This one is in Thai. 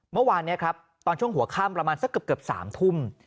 เมื่อวานนี้ครับตอนช่วงหัวค่ำประมาณสักเกือบ๓ทุ่ม